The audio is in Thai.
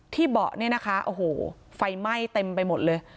เบาะเนี่ยนะคะโอ้โหไฟไหม้เต็มไปหมดเลย